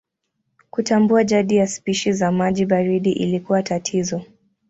Kutambua jadi ya spishi za maji baridi ilikuwa tatizo.